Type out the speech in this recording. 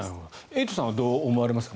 エイトさんはどう思われますか？